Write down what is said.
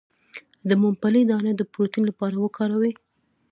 د ممپلی دانه د پروتین لپاره وکاروئ